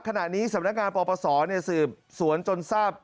ขณะนี้สำนักงานปปศสืบสวนจนทราบ